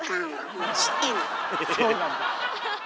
そうなんだ。